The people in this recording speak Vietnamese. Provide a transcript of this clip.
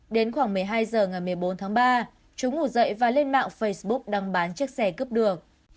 đến khoảng một mươi hai h ngày một mươi bốn tháng ba chúng ngủ dậy và lên mạng facebook đăng bán chiếc xe cướp được